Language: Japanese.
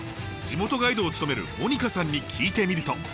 地元ガイドを務めるモニカさんに聞いてみると。